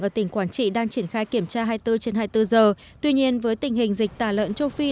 ở tỉnh quảng trị đang triển khai kiểm tra hai mươi bốn trên hai mươi bốn giờ tuy nhiên với tình hình dịch tả lợn châu phi